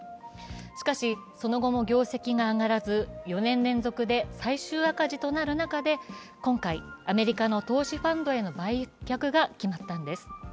しかし、その後も業績が上がらず４年連続で最終赤字となる中で、今回、アメリカの投資ファンドへの売却が決まったのです。